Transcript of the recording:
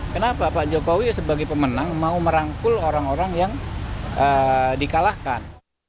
kenapa pak jokowi sebagai pemenang mau merangkul orang orang yang dikalahkan